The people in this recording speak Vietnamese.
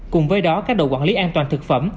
cùng với đó các đội quản lý an toàn thực phẩm